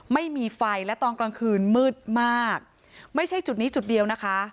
ไม่มีไฟและตอนกลางคืนมืดมากไม่ใช่จุดนี้จุดเดียวนะคะ